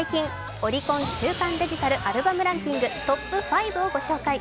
オリコン週間デジタルアルバムランキングトップ５をご紹介。